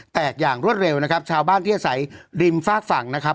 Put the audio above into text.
อย่างรวดเร็วนะครับชาวบ้านที่อาศัยริมฝากฝั่งนะครับ